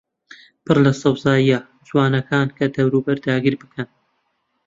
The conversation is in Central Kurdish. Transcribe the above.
پڕ لە سەوزاییە جوانەکان کە دەوروبەر داگیربکەن